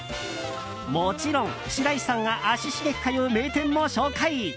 もちろん、白石さんが足しげく通う名店も紹介。